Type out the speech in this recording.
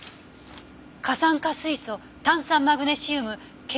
「過酸化水素炭酸マグネシウム珪酸ソーダ」。